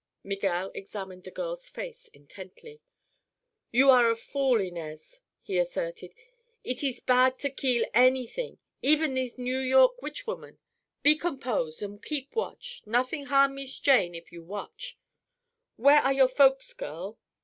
Miguel examined the girl's face intently. "You are fool, Inez," he asserted. "It ees bad to keel anything—even thees New York witch woman. Be compose an' keep watch. Nothing harm Mees Jane if you watch. Where are your folks, girl?"